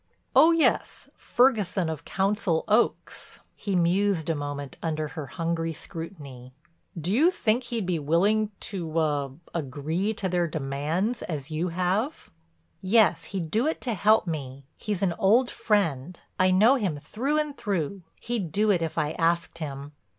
"Oh, yes, Ferguson of Council Oaks." He mused a moment under her hungry scrutiny. "Do you think he'd be willing to—er—agree to their demands as you have?" "Yes, he'd do it to help me. He's an old friend; I know him through and through. He'd do it if I asked him."